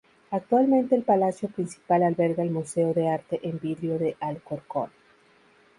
Actualmente el palacio principal alberga el Museo de Arte en Vidrio de Alcorcón.